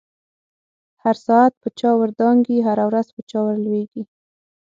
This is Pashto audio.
هر ساعت په چاور دانګی، هزه ورځ په چا ور لويږی